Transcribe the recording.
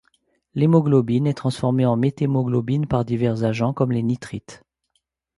L'hémoglobine est transformée en méthémoglobine par divers agents comme les nitrites.